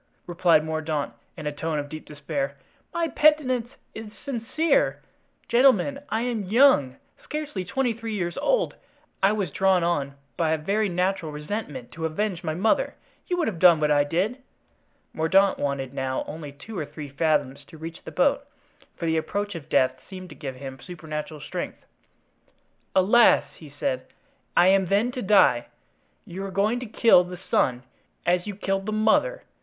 replied Mordaunt, in a tone of deep despair, "my penitence is sincere. Gentlemen, I am young, scarcely twenty three years old. I was drawn on by a very natural resentment to avenge my mother. You would have done what I did." Mordaunt wanted now only two or three fathoms to reach the boat, for the approach of death seemed to give him supernatural strength. "Alas!" he said, "I am then to die? You are going to kill the son, as you killed the mother!